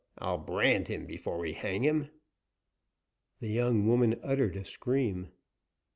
I'll brand him before we hang him!" The young woman uttered a scream.